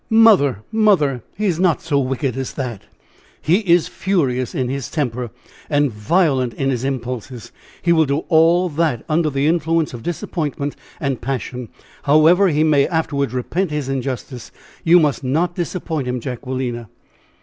"Mother! mother! he is not so wicked as that." "He is furious in his temper and violent in his impulses he will do all that under the influence of disappointment and passion, however he may afterwards repent his injustice. You must not disappoint him, Jacquelina."